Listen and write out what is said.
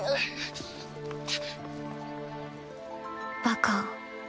バカ。